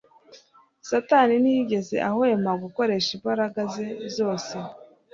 Satani ntiyigeze ahwema gukoresha imbaraga ze zose